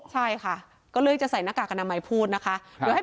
ใช่ค่ะก็เลยจะใส่หน้ากากอนามัยพูดนะคะ